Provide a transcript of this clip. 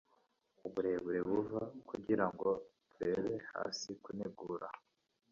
Uburebure buva kugirango turebe hasi kunegura